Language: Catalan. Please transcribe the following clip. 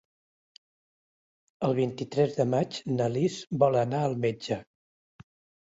El vint-i-tres de maig na Lis vol anar al metge.